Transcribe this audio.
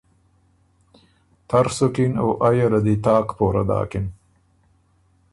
تر سُکِن او ائ یه له دی تاک پوره داکِن۔